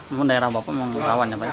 memang daerah bawah pun memang rawan ya pak